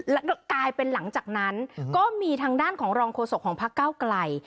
แล้วก็กลายเป็นหลังจากนั้นก็มีทางด้านของรองโฆษกของพักเก้าไกล